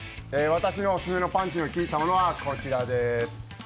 私のオススメのパンチの効いたものはこちらです。